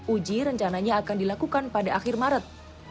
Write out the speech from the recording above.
uji rencananya akan dilakukan pada akhir maret